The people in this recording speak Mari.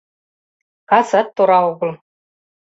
Касат тора огыл.